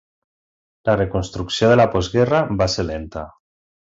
La reconstrucció de la postguerra va ser lenta.